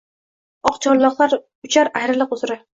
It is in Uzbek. oq chorloqlar uchar ayriliq uzra